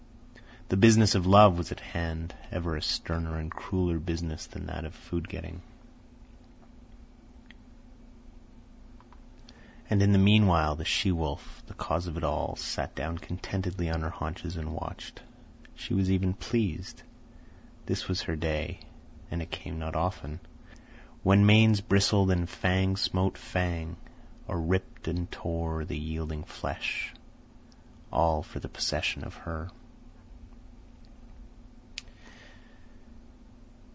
The business of love was at hand—ever a sterner and crueller business than that of food getting. And in the meanwhile, the she wolf, the cause of it all, sat down contentedly on her haunches and watched. She was even pleased. This was her day—and it came not often—when manes bristled, and fang smote fang or ripped and tore the yielding flesh, all for the possession of her.